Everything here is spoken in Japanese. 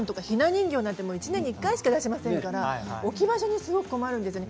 ひな人形なんて１年に１回しか出しませんから置き場所にすごく困る。